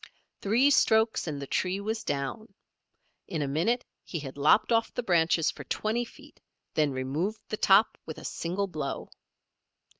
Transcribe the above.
Three strokes, and the tree was down. In a minute he had lopped off the branches for twenty feet, then removed the top with a single blow.